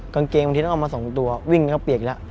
กางเกงมันทิ้งออกมาสองตัววิ่งก็เปียกแล้ว